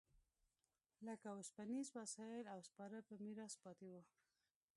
لکه اوسپنیز وسایل او سپاره په میراث پاتې و